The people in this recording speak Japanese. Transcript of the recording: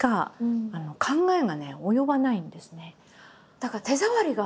だから手触りが。